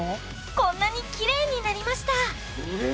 こんなにきれいになりました